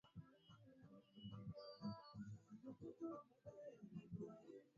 sera hiyo ilidhoofisha ufalme wa bukini